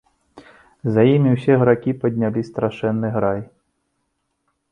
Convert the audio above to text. А за ім і ўсе гракі паднялі страшэнны грай.